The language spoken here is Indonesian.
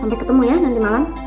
sambil ketemu ya nanti malam